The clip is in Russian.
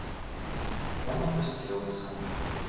Он опустился.